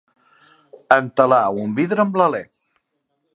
Entelar un vidre amb l'alè.